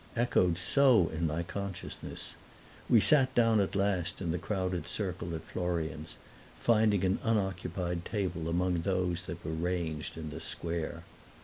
echoed so in my consciousness. We sat down at last in the crowded circle at Florian's, finding an unoccupied table among those that were ranged in the square.